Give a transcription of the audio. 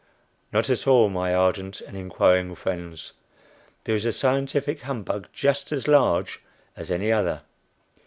Not at all, my ardent and inquiring friends, there is a scientific humbug just as large as any other.